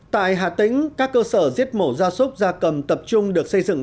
tại hà tĩnh các cơ sở giết mổ ra sốc ra cầm tập trung được xây dựng